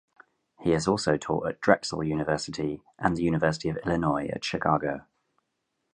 He has also taught at Drexel University and the University of Illinois at Chicago.